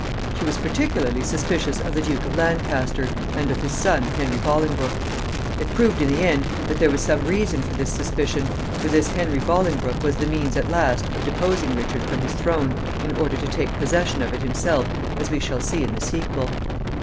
She was particularly suspicious of the Duke of Lancaster, and of his son Henry Bolingbroke. It proved in the end that there was some reason for this suspicion, for this Henry Bolingbroke was the means at last of deposing Richard from his throne in order to take possession of it himself, as we shall see in the sequel.